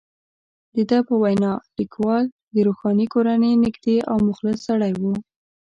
د ده په وینا، لیکوال د روښاني کورنۍ نږدې او مخلص سړی وو.